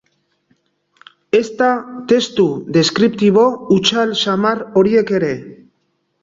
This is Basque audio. Ezta testu deskriptibo hutsal samar horiek ere.